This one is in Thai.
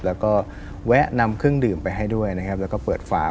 แล้วก็แวะนำเครื่องดื่มไปให้ด้วยนะครับแล้วก็เปิดฝา